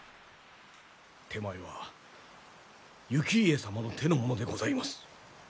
手前は行家様の手の者でございます。